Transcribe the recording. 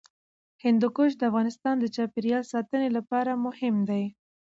هندوکش د افغانستان د چاپیریال ساتنې لپاره مهم دي.